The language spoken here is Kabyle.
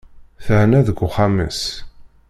Thenna deg uxxam-is.